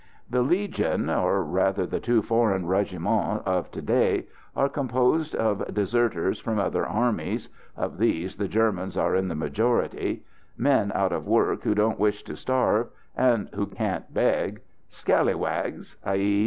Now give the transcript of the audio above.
The Legion, or rather the two Foreign Regiments of to day, are composed of deserters from other armies of these the Germans are in the majority men out of work who don't wish to starve, and who can't beg; scallywags, _i.